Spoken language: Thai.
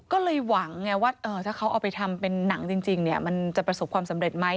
ก็เลยหวังไงว่าถ้าเขาเอาไปทำเป็นหนังจริงมันจะประสบความสำเร็จไหม